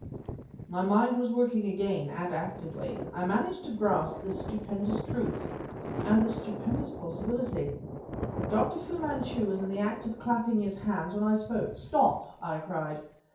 My mind was working again, and actively. I managed to grasp the stupendous truth and the stupendous possibility. Dr. Fu Manchu was in the act of clapping his hands, when I spoke. "Stop!" I cried.